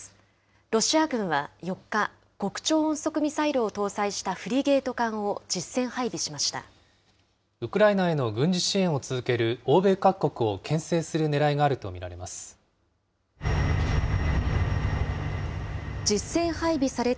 ロシア軍は４日、極超音速ミサイルを搭載したフリゲート艦を実戦配備しました。